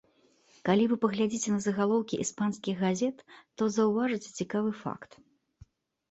Калі вы паглядзіце на загалоўкі іспанскіх газет, то заўважыце цікавы факт.